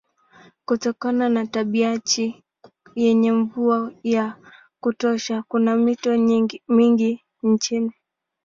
Kutokana na tabianchi yenye mvua ya kutosha kuna mito mingi nchini.